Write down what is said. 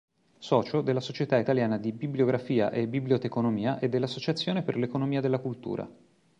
Socio della Società italiana di bibliografia e biblioteconomia e dell'Associazione per l'economia della cultura.